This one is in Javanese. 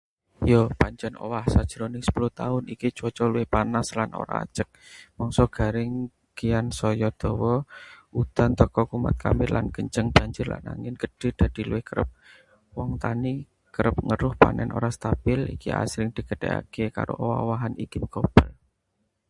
Ya, pancen owah. Sajrone sepuluh taun iki cuaca luwih panas lan ora ajeg. Mangsa garing kian saya dawa, udan teka kumat-kamit lan kenceng; banjir lan angin gedhe dadi luwih kerep. Wong tani kerep ngeluh panen ora stabil, iki asring digandhengake karo owah-owahan iklim global.